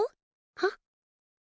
はっ？